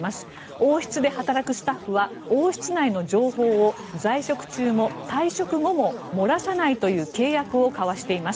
王室で働くスタッフは王室内の情報を在職中も退職後も漏らさないという契約を交わしています。